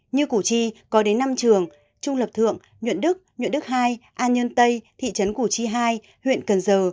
như củ chi có đến năm trường trung lập thượng nhuận đức nhuệ đức hai an nhân tây thị trấn củ chi hai huyện cần giờ